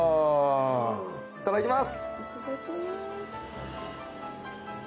いただきます！